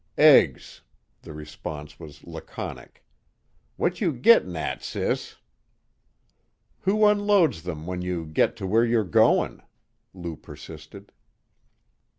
"Eggs." The response was laconic. "What you gittin' at, sis?" "Who unloads them when you git to where you're goin'?" Lou persisted.